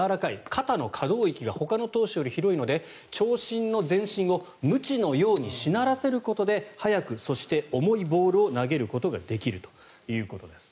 肩の可動域がほかの投手より広いので長身の全身をムチのようにしならせることで速くそして重いボールを投げることができるということです。